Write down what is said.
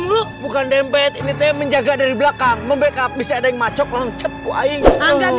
mulu bukan dempet ini teh menjaga dari belakang membekap bisa ada yang macok lonceng kue enggak